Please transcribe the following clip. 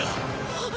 あっ！